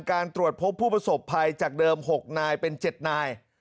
การตรวจพบผู้ประสบภัยจากเดิม๖นายเป็น๗นาย